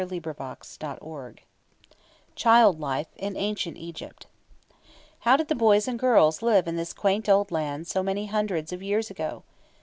CHAPTER VI CHILD LIFE IN ANCIENT EGYPT How did the boys and girls live in this quaint old land so many hundreds of years ago?